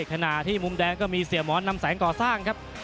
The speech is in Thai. ขณะที่มุมแดงก็มีเสียหมอนนำแสงก่อสร้างครับ